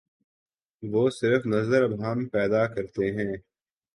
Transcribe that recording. وہ صرف نظری ابہام پیدا کرتے ہیں۔